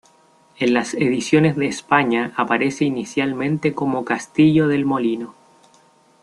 En las ediciones de España aparece inicialmente como Castillo del Molino.